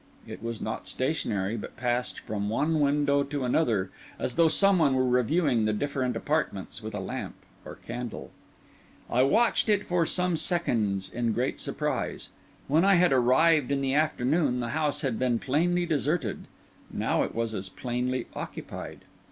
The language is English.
It was not stationary; but passed from one window to another, as though some one were reviewing the different apartments with a lamp or candle. I watched it for some seconds in great surprise. When I had arrived in the afternoon the house had been plainly deserted; now it was as plainly occupied.